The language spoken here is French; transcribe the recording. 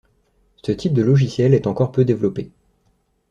Ce type de logiciel est encore peu développé.